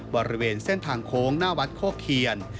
บริเวณเส้นทางโค้งหน้าวัดโคเคียน